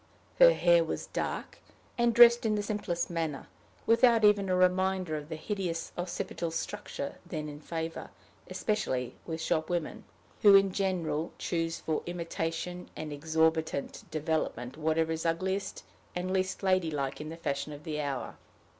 Her hair was dark, and dressed in the simplest manner, without even a reminder of the hideous occipital structure then in favor especially with shop women, who in general choose for imitation and exorbitant development whatever is ugliest and least lady like in the fashion of the hour.